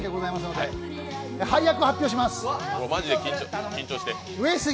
配役を発表します。